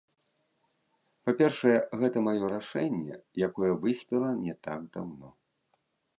Па-першае, гэта маё рашэнне, якое выспела не так даўно.